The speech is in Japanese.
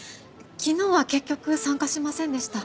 昨日は結局参加しませんでした。